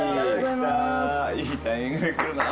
いいタイミングでくるなぁ。